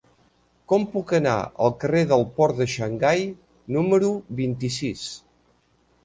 Com puc anar al carrer del Port de Xangai número vint-i-sis?